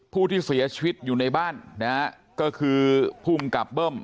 ผู้ที่เสียชีวิตอยู่ในบ้านนะฮะก็คือภูมิกับเบิ้ม